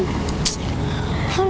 yuk kita cari aja lah man